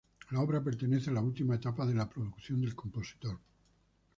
La obra pertenece a la última etapa de la producción del compositor.